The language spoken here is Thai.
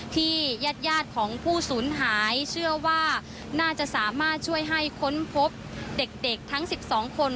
ญาติยาดของผู้สูญหายเชื่อว่าน่าจะสามารถช่วยให้ค้นพบเด็กทั้ง๑๒คน